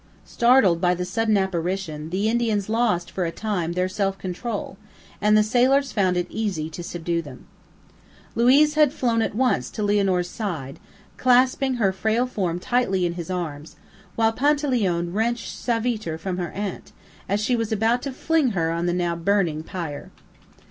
Startled by the sudden apparition, the Indians lost, for a time, their self control, and the sailors found it easy to subdue them. Luiz had flown at once to Lianor's side, clasping her frail form tightly in his arms, while Panteleone wrenched Savitre from her aunt, as she was about to fling her on the now burning pile.